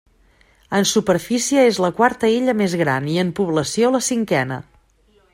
En superfície és la quarta illa més gran i en població la cinquena.